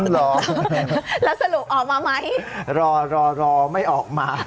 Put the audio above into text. แล้วสรุปออกมาไหมรอรอไม่ออกมา